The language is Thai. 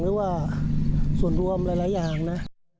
หรือว่าส่วนรวมหลายอย่างนะ